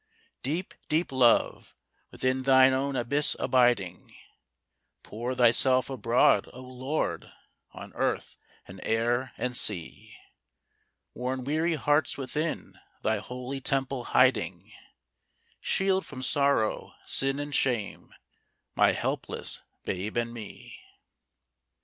Deep deep Love, within thine own abyss abiding, Pour Thyself abroad, O Lord, on earth and air and sea; Worn weary hearts within Thy holy temple hiding, Shield from sorrow, sin, and shame my helpless babe and me.